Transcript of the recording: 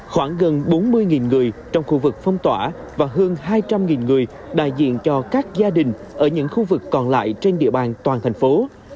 khoảng gần bốn mươi người trong khu vực phong tỏa và hơn hai trăm linh người đại diện cho các gia đình ở những khu vực còn lại trên địa bàn toàn thành phố